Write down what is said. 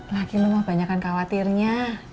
lagi lo mah banyakan khawatirnya